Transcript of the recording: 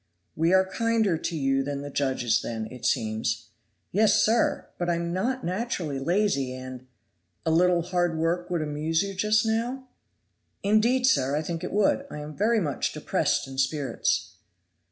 "We are kinder to you than the judges then, it seems." "Yes, sir! but I am not naturally lazy, and " "A little hard work would amuse you just now?" "Indeed, sir, I think it would; I am very much depressed in spirits."